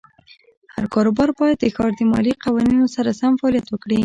هر کاروبار باید د ښار د مالیې قوانینو سره سم فعالیت وکړي.